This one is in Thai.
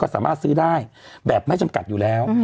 สามารถซื้อได้แบบไม่จำกัดอยู่แล้ว